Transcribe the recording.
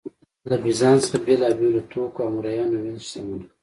له بېزانس څخه بېلابېلو توکو او مریانو وینز شتمن کړ